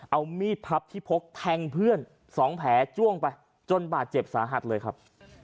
เอามีดพับที่พกแทงเพื่อน๒แผลจ้วงไปจนบาดเจ็บสาหัสเลยครับ